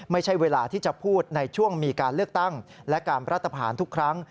ไม่ใช่เวลาที่จะพูดในช่วงมีการเลือกตั้งและการรัฐผ่านทุกครั้ง